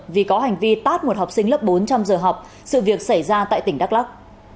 vì có hành vi tát một học sinh lớp bốn trong giờ học sự việc xảy ra tại tỉnh đắk lắc